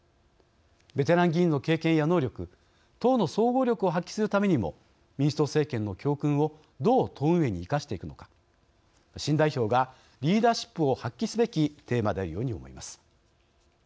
ベテラン議員の経験や能力党の総合力を発揮するためにも民主党政権の教訓をどう党運営に生かしていくのか新代表がリーダーシップを発揮すべきテーマであるように思います。